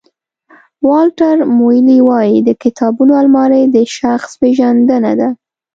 والټر مویلي وایي د کتابونو المارۍ د شخص پېژندنه ده.